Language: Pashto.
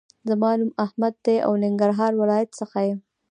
زما نوم احمد دې او ننګرهار ولایت څخه یم